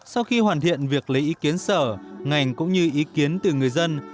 sau khi hoàn thiện việc lấy ý kiến sở ngành cũng như ý kiến từ người dân